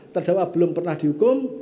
terdakwa belum pernah dihukum